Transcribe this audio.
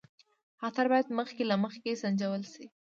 خطر باید مخکې له مخکې سنجول شي.